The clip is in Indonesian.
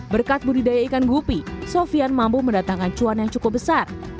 berkat budidaya ikan gupi sofian mampu mendatangkan cuan yang cukup besar